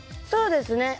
そうですね。